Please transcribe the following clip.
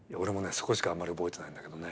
そこしかあまり覚えてないんだけどね。